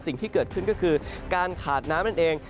สิ่งที่เกิดขึ้นก็คือการขาดน้ำนั่นเอง